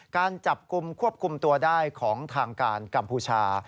การจับกลุ่มควบคุมตัวได้ของทางการกัมพูชา